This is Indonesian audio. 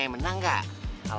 alhamdulillah dia jual empat beh